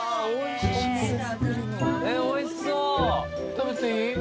・食べていい？